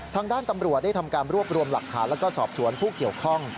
ทางด้านตำรวจได้ทำการรวบรวมหลักฐานแล้วก็สอบสวนผู้เกี่ยวข้อง